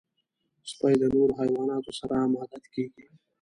سپي د نورو حیواناتو سره هم عادت کېږي.